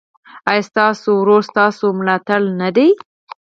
ایا ستاسو ورور ستاسو ملاتړ نه دی؟